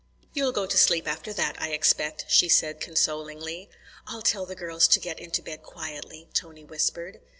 "You'll go to sleep after that, I expect," she said consolingly. "I'll tell the girls to get into bed quietly," Tony whispered.